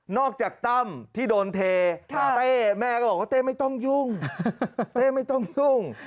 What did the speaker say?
นอกจากตั้มที่โดนเทขาเต้แม่ก็บอกว่าเต้ไม่ต้องยุ่ง